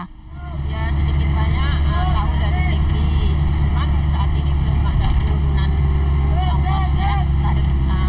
cuman saat ini belum ada penurunan yang bagus ya dari tentang satu dua meter mini ini